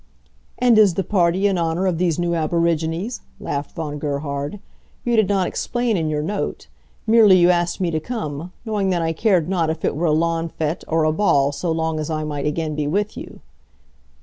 "And is the party in honor of these new aborigines?" laughed Von Gerhard. "You did not explain in your note. Merely you asked me to come, knowing that I cared not if it were a lawn fete or a ball, so long as I might again be with you."